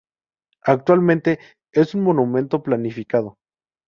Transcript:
Actualmente es un monumento planificado.